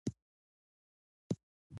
کلي ته نوی ښوونکی راغلی دی.